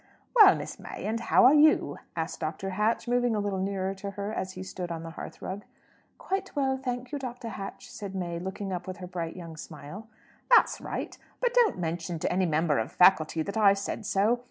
"Well, Miss May, and how are you?" asked Dr. Hatch, moving a little nearer to her, as he stood on the hearthrug. "Quite well, thank you, Dr. Hatch," said May, looking up with her bright young smile. "That's right! But don't mention to any member of the Faculty that I said so.